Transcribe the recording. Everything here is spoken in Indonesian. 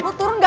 lo turun nggak